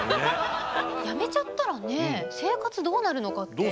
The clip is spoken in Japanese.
辞めちゃったらね生活どうなるのかって。